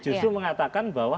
justru mengatakan bahwa